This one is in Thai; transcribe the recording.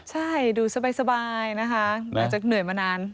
ใช่ดูสบายนะคะอาจจะเหนื่อยมานาน